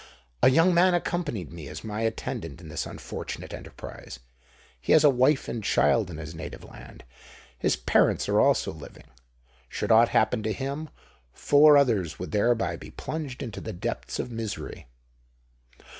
A young man accompanied me as my attendant in this unfortunate enterprise: he has a wife and child in his native land; his parents are also living. Should aught happen to him, four others would thereby be plunged into the depths of misery."